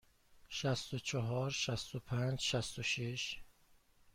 شصت و چهار، شصت و پنج، شصت و شش.